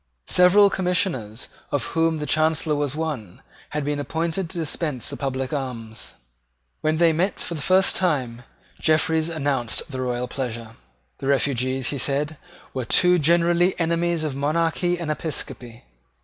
Several Commissioners, of whom the Chancellor was one, had been appointed to dispense the public alms. When they met for the first time, Jeffreys announced the royal pleasure. The refugees, he said, were too generally enemies of monarchy and episcopacy.